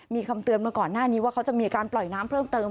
มีคำเตือนมาก่อนหน้านี้ว่าเขาจะมีการปล่อยน้ำเพิ่มเติม